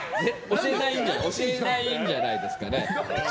教えないんじゃないですかね。